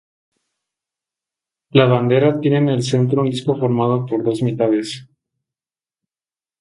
La Bandera tiene en el centro un disco formado por dos mitades.